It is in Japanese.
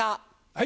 はい。